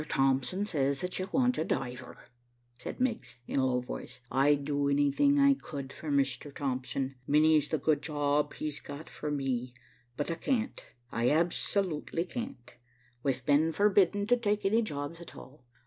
Thompson says that you want a diver," said Miggs, in a low voice. "I'd do anything I could for Mr. Thompson. Many's the good job he's got for me, but I can't, I absolutely can't. We've been forbidden to take any jobs at all.